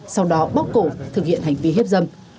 sau đó bóc cổ thực hiện hành vi hiếp dâm